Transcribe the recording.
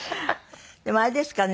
でもあれですかね？